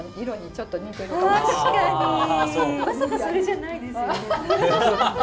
まさかそれじゃないですよね？